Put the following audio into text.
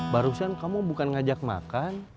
barusan kamu bukan ngajak makan